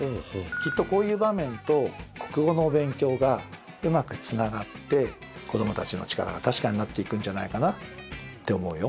きっとこういう場面と国語の勉強がうまくつながって子どもたちの力が確かになっていくんじゃないかなって思うよ。